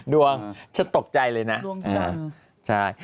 ดวงฉันตกใจเลยนะ